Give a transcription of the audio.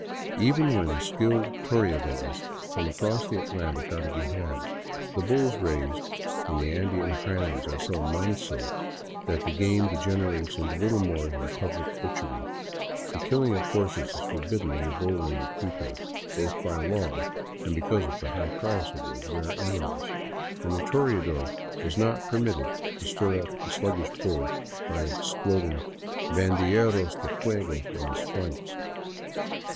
Even when skilled toreadors from across the Atlantic are to be had, the bulls raised in the Andean highlands are so manso that the game degenerates into little more than public butchery. The killing of horses is forbidden in the bull ring of Quito, both by law and because of the high price of those rare animals, and the toreador is not permitted to stir up a sluggish bull by exploding handerillos de fuego on his flanks.